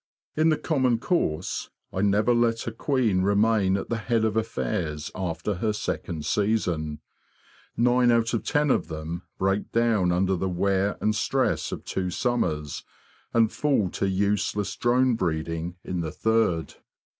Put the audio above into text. In the common course, I never let a queen remain at the head of affairs after her second season. Nine out of ten of them break down under the wear and stress HONEY CRAFT OLD AND NEW 201 of two summers, and fall to useless drone breeding in the third.